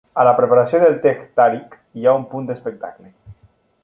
A la preparació del "teh tarik" hi ha un punt d'espectacle.